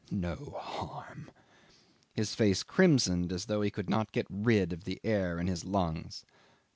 ... No harm!" 'His face crimsoned as though he could not get rid of the air in his lungs.